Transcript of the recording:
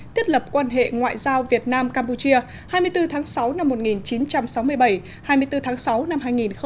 thiết lập quan hệ ngoại giao việt nam campuchia hai mươi bốn tháng sáu năm một nghìn chín trăm sáu mươi bảy hai mươi bốn tháng sáu năm hai nghìn một mươi chín